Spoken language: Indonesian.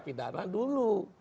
pada daerah pidana dulu